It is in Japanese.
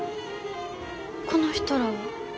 この人らは？